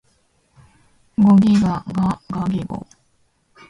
ゴギガガガギゴ